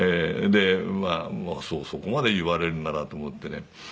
でまあそこまで言われるならと思ってね。